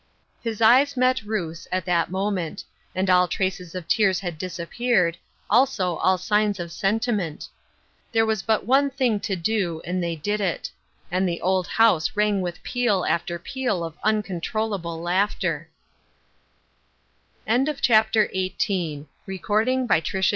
His eyes met Ruth's at that moment, and all traces of tears had disappeared, also all signs of sentiment. There was but one thing to do, and they did it; and the old house rang with peal after peal of uncontrollable la